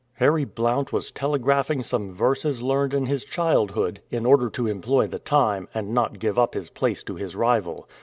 Harry Blount was telegraphing some verses learned in his childhood, in order to employ the time, and not give up his place to his rival.